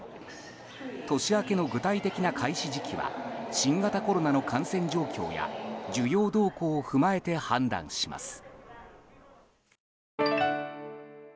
年明けの具体的な開始時期は新型コロナの感染状況や需要動向を踏まえ判断します。